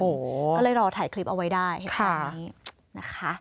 ก็เลยรอถ่ายคลิปเอาไว้ได้เหตุการณ์นี้นะคะ